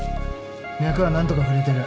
脈は何とか触れてる。